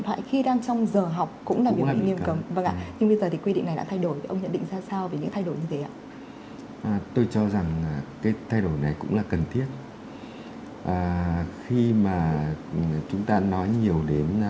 hãy cùng theo dõi một phóng sự ngắn của chúng tôi